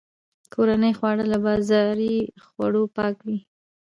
کورني خواړه له بازاري خوړو پاک وي.